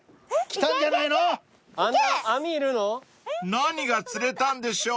［何が釣れたんでしょう？］